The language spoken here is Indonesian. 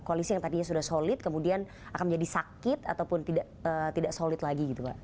koalisi yang tadinya sudah solid kemudian akan menjadi sakit ataupun tidak solid lagi gitu pak